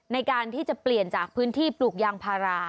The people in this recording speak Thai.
ในการที่จะเปลี่ยนจากพื้นที่ปลูกยางพารา